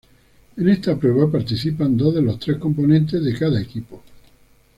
En esta prueba participan dos de los tres componentes de cada equipo.